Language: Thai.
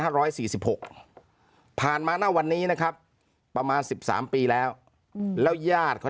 ร้อยสี่สิบหกผ่านมาณวันนี้นะครับประมาณสิบสามปีแล้วแล้วญาติเขา